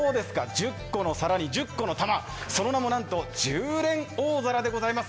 １０個の更に１０個の球、その名も１０連大皿でございます。